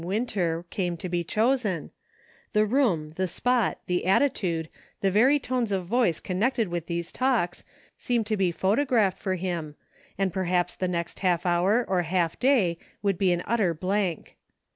Winter, came to be chosen ; the room, the spot, the attitude, the very tones of voice con nected with these talks, seemed to be photographed for him, and perhaps the next half hour or half 58 SOME HALF WAY THINKING. day would be an utter blank.